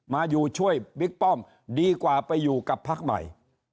มาอยู่ช่วยบิ๊กป้อมดีกว่าไปอยู่กับพักใหม่